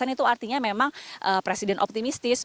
itu artinya memang presiden optimistis